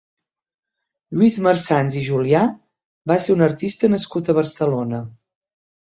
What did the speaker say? Lluís Marsans i Julià va ser un artista nascut a Barcelona.